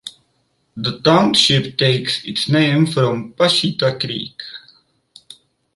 The township takes its name from Pusheta Creek.